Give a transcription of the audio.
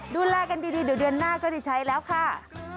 ดูแลกันดีเดี๋ยวเดือนหน้าก็ได้ใช้แล้วค่ะ